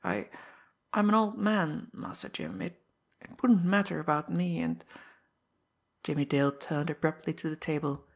I I'm an old man, Master Jim, it it wouldn't matter about me, and " Jimmie Dale turned abruptly to the table.